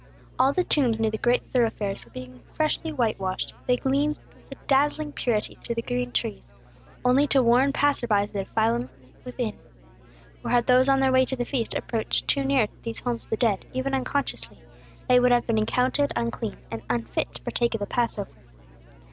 All the tombs near the great thoroughfares were being freshly white washed; they gleamed with a dazzling purity through the green trees, only to warn passers by of the defilement within. For had those on their way to the feast approached too near these homes of the dead, even unconsciously, they would have been accounted unclean, and unfit to partake of the Passover.